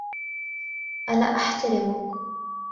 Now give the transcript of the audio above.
أنا احترمك.